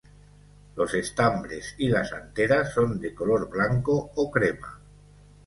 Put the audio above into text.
Los estambres y las anteras son de color blanco o crema.